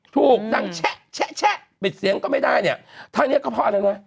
ถูกจังแชะแชะแชะปิดเสียงก็ไม่ได้เนี่ยท่านี้ก็เพราะอะไรนะ